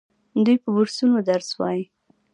دوی په بورسونو درس وايي.